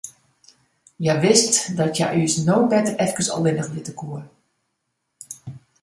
Hja wist dat hja ús no better efkes allinnich litte koe.